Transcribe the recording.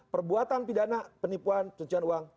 perbuatan pidana penipuan pencucian uang